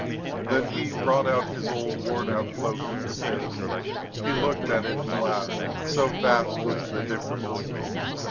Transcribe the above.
Then he brought out his old, worn out cloak, for comparison. He looked at it, and laughed, so vast was the difference.